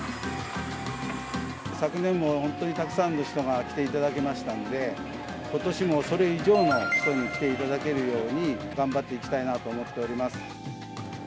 昨年も本当にたくさんの人が来ていただけましたんで、ことしもそれ以上の人に来ていただけるように、頑張っていきたいなと思っております。